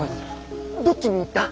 どっちに行った？